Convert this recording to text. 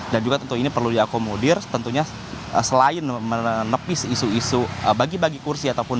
dan juga tentu ini perlu diakomodir tentunya selain menepis isu isu bagi bagi kursi ataupun